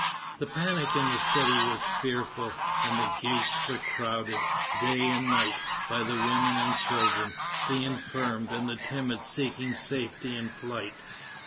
The panic in the city was fearful, and the gates were crowded, day and night, by the women and children, the infirm and the timid seeking safety in flight.